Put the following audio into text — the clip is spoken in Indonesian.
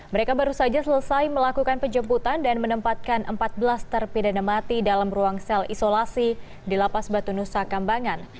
mereka baru saja selesai melakukan penjemputan dan menempatkan empat belas terpidana mati dalam ruang sel isolasi di lapas batu nusa kambangan